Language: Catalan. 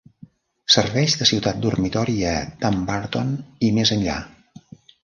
Serveix de ciutat dormitori a Dumbarton i més enllà.